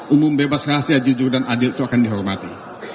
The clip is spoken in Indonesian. umum bebas rahasia jujur dan adil itu akan dihormati